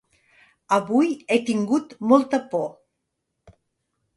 Avui he tingut molta por.